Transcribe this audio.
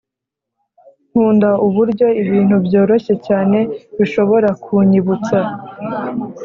nkunda uburyo ibintu byoroshye cyane bishobora kunyibutsa